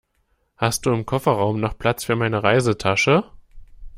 Hast du im Kofferraum noch Platz für meine Reisetasche?